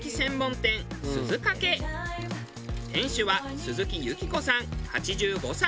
店主は鈴木幸子さん８５歳。